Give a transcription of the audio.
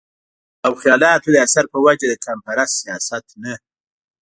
او خياالتو د اثر پۀ وجه د قامپرست سياست نه